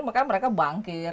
maka mereka bangkir